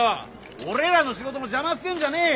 俺らの仕事の邪魔すんじゃねえよ。